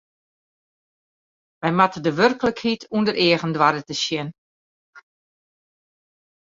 Wy moatte de werklikheid ûnder eagen doare te sjen.